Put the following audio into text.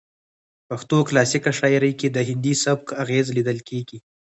پښتو کلاسیکه شاعرۍ کې د هندي سبک اغیز لیدل کیږي